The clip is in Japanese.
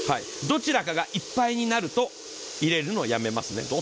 どちらかがいっぱいになると入れるのやめますね。